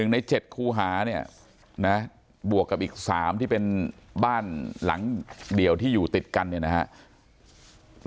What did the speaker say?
ใน๗คู่หาเนี่ยนะบวกกับอีก๓ที่เป็นบ้านหลังเดียวที่อยู่ติดกันเนี่ยนะครับ